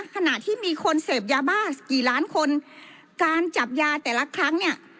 ขณะที่มีคนเสพยาบ้ากี่ล้านคนการจับยาแต่ละครั้งเนี่ย